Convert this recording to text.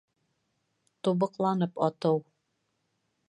Тубыҡланып атыу